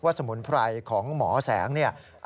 สมุนไพรของหมอแสงเนี่ย